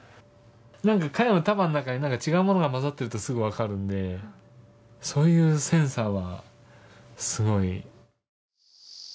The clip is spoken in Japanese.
カヤの束の中になんか違うものが混ざってるとすぐわかるんでそういうセンサーはすごい。